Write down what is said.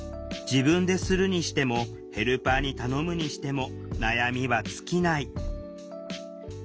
自分でするにしてもヘルパーに頼むにしても悩みは尽きない。